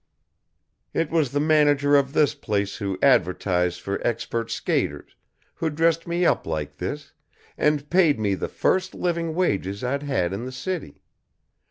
It was the manager of this place who advertised for expert skaters, who dressed me up like this, and paid me the first living wages I'd had in the city.